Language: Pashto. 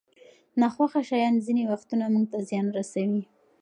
ناخوښه شیان ځینې وختونه موږ ته زیان رسوي.